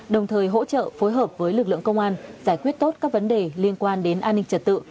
đồng thời hỗ trợ phối hợp với lực lượng công an giải quyết tốt các vấn đề liên quan đến an ninh trật tự